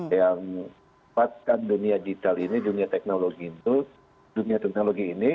yang membuatkan dunia digital ini dunia teknologi ini